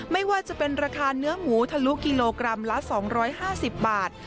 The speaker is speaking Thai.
ไม่ว่าจะเป็นราคาเนื้อหมูทะลุกิโลกรัมละ๒๕๐บาท